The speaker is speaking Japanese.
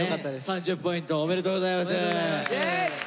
３０ポイントおめでとうございます。